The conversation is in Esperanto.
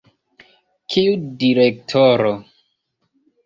Kiu direktoro?